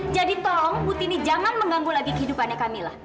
jadi tolong bu tini jangan mengganggu lagi kehidupannya kamila